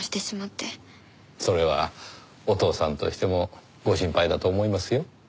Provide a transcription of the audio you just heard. それはお父さんとしてもご心配だと思いますよ。